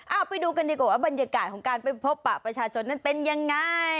เอาไปดูกันดีกว่าว่าบรรยากาศของการไปพบปะประชาชนนั้นเป็นยังไง